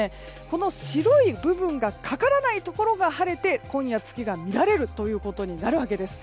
この白い部分がかからないところが晴れて今夜、月が見られるということになるわけです。